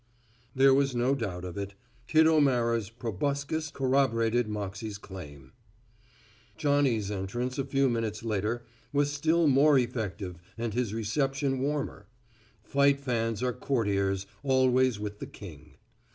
There was no doubt of it. "Kid O'Mara's" proboscis corroborated Moxey's claim. Johnny's entrance a few minutes later was still more effective and his reception warmer. Fight fans are courtiers, always with the king.